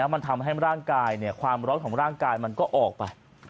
มันทำให้ร่างกายความร้อนของร่างกายมันก็ออกไป